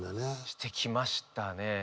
してきましたね。